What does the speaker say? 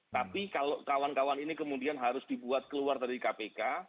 tapi kalau kawan kawan ini kemudian harus dibuat keluar dari kpk